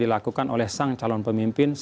dilakukan oleh sang calon pemimpin